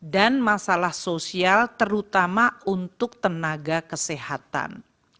dan masalah sosial terutama untuk tenaga kesehatan